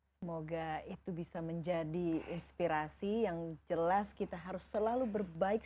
semoga itu bisa menjadi inspirasi yang jelas kita harus selalu berbaik